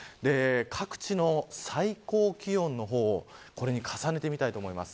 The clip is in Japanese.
各地の最高気温の方をこれに重ねてみたいと思います。